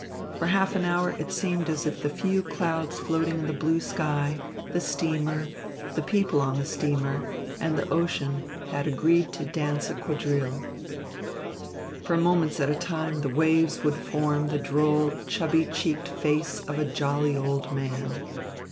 For half an hour it seemed as if the few clouds floating in the blue sky, the steamer, the people on the steamer, and the ocean had agreed to dance a quadrille. For moments at a time the waves would form the droll, chubby cheeked face of a jolly old man.